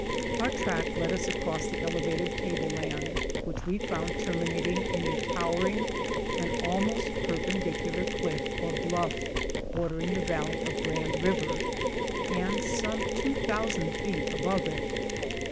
Our track led us across this elevated table land, which we found terminating in a tow ering and almost perpendicular cliff or bluff, bordering the valley of Grand River, and some two thousand feet above it.